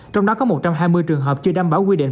trong đó có một trăm hai mươi trường hợp chưa đảm bảo quy định